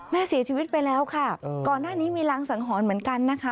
แม่เสียชีวิตไปแล้วค่ะก่อนหน้านี้มีรางสังหรณ์เหมือนกันนะคะ